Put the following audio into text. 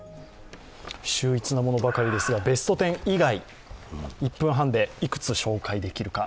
秀逸なものばかりですが、ベスト１０以外、１分半で幾つ紹介できるか。